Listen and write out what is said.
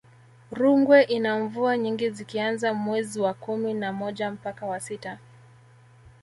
rungwe ina mvua nyingi zikianza mwez wa kumi na moja mpaka wa sita